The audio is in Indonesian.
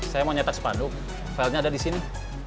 saya mau nyetak sepanduk filenya ada di sini